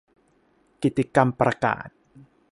กิตติกรรมประกาศ